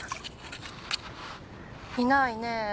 いないね。